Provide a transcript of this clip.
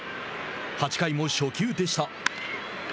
８回も初球でした。